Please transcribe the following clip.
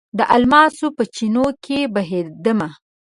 د الماسو په چېنو کې بهیدمه